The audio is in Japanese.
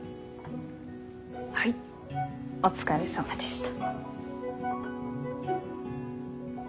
はいお疲れさまでした。